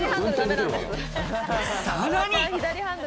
さらに。